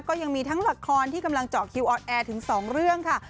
ก็ยังมีทั้งละครที่กำลังเจาะคิวออนแอร์ถึง๒เรื่องค่ะ